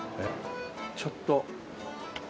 ちょっと。